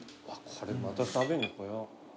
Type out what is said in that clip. これまた食べに来よう。